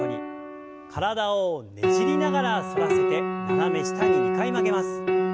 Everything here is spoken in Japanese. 体をねじりながら反らせて斜め下に２回曲げます。